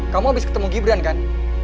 kamu habis ketemu gibran kan